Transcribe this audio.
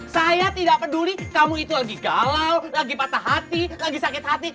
saya tidak peduli kamu itu lagi galau lagi patah hati lagi sakit hati